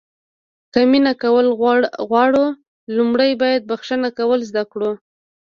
که مینه کول غواړو لومړی باید بښنه کول زده کړو.